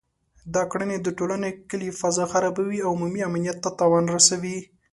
دا کړنې د ټولنې کلي فضا خرابوي او عمومي امنیت ته تاوان رسوي